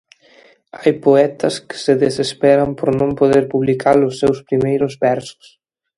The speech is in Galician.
Hai poetas que se desesperan por non poder publicar os seus primeiros versos.